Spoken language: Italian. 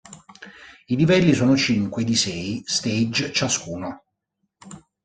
I livelli sono cinque di sei stage ciascuno.